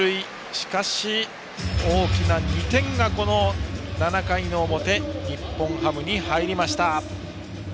しかし大きな２点がこの７回の表日本ハムに入りました。